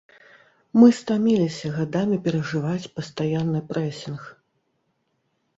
Мы стаміліся гадамі перажываць пастаянны прэсінг.